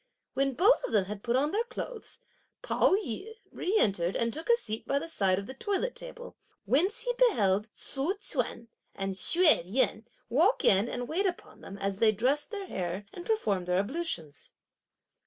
When both of them had put on their clothes, Pao yü re entered and took a seat by the side of the toilet table; whence he beheld Tzu chüan and Hsüeh Yen walk in and wait upon them, as they dressed their hair and performed their ablutions.